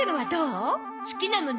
好きなもの？